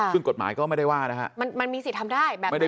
ซึ่งกฎหมายก็ไม่ได้ว่านะฮะมันมีสิทธิ์ทำได้แบบนี้